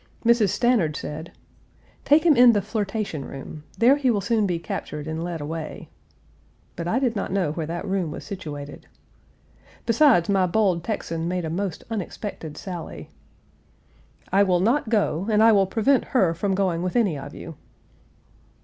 Mrs. Stanard said: "Take him in the flirtation room; there he will soon be captured and led away," but I did not know where that room was situated. Besides, my bold Texan made a most unexpected sally: "I will not go, and I will prevent her from going with any of you."